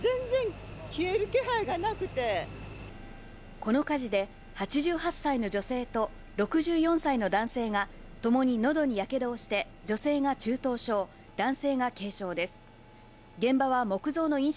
この火事で、８８歳の女性と６４歳の男性がともにのどにやけどをして女性が中等症、男性が軽傷です。